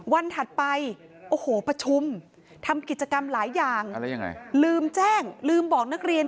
ถัดไปโอ้โหประชุมทำกิจกรรมหลายอย่างลืมแจ้งลืมบอกนักเรียน